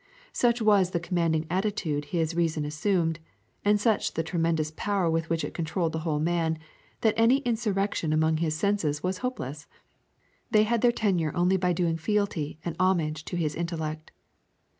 Such was the commanding attitude his reason assumed, and such the tremendous power with which it controlled the whole man, that any insurrection among his senses was hopeless; they had their tenure only by doing fealty and homage to his intellect.